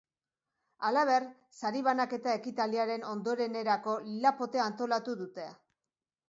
Halaber, sari banaketa ekitaldiaren ondorenerako lila-potea antolatu dute.